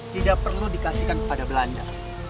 tidak perlu dikasihkan kepada belanda